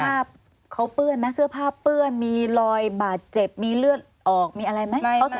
เสื้อผ้าเขาเปื้อนมั้ยเสื้อผ้าเปื้อนมีรอยบาดเจ็บมีเลือดออกมีอะไรมั้ย